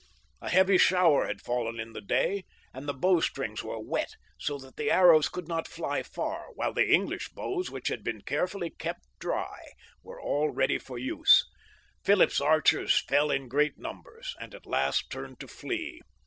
A heavy shower had fallen in the day, and their bowstrings were wet, so that their arrows could not fly far, while the English bows, which had been carefully kept dry, were aU ready for use. Philip's archers fell in great numbers, and at last turned to flee.